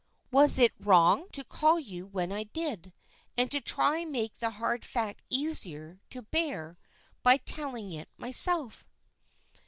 Was it wrong to call you when I did, and try to make the hard fact easier to bear by telling it myself?"